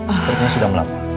sepertinya sudah melapa